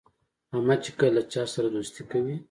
احمد چې کله له چا سره دوستي کوي،